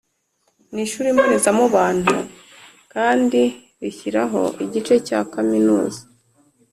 Ni ishuri mbonezamubano kandi rishyiraho igice cya Kaminuza